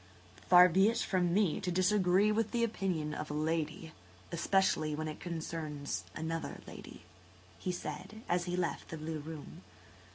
"Far be it from me to disagree with the opinion of a lady–especially when it concerns another lady," he said, as he left the blue room.